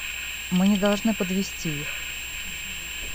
Мы не должны подвести их.